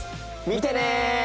見てね！